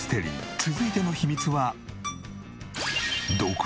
続いての秘密は。